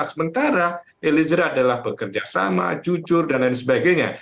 sementara eliezer adalah bekerja sama jujur dan lain sebagainya